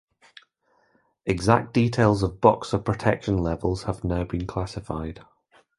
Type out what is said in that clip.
Exact details of Boxer protection levels have now been classified.